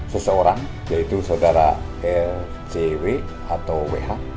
seseorang yaitu saudara lcw atau wh